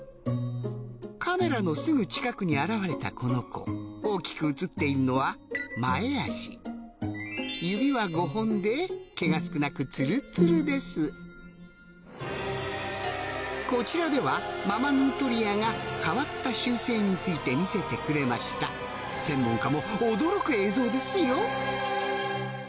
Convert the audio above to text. カメラのすぐ近くに現れたこの子大きく映っているのは前足毛が少なくこちらではママヌートリアが変わった習性について見せてくれました専門家も驚く映像ですよ